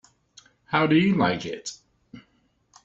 How do you like it?